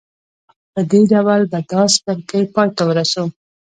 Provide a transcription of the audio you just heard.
په دې ډول به دا څپرکی پای ته ورسوو.